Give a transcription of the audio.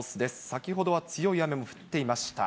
先ほどは強い雨も降っていました。